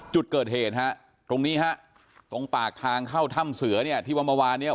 จุดเกิดเหตุตรงนี้ตรงปากทางเข้าท่ำเสือที่วันเมื่อวานโอ้โห